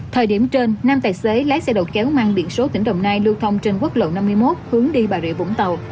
thời điểm trên năm tài xế lái xe đầu kéo mang biển số tỉnh đồng nai lưu thông trên quốc lộ năm mươi một hướng đi bà rịa vũng tàu